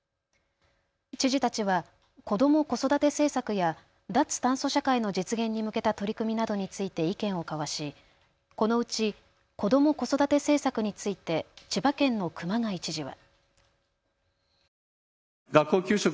知事たちは子ども・子育て政策や脱炭素社会の実現に向けた取り組みなどについて意見を交わしこのうち子ども・子育て政策について千葉県の熊谷知事は。